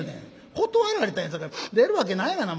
断られたんやさかい出るわけないがな。